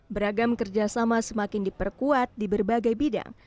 beragam kerjasama semakin diperkuat di berbagai bidang